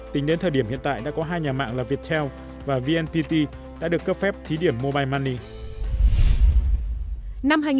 tính đến thời điểm hiện tại đã có hai nhà mạng là viettel và vnpt đã được cấp phép thí điểm mobile money